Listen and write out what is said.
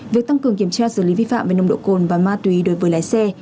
việc tăng cường kiểm tra xử lý vi phạm về nồng độ cồn và ma túy đối với lái xe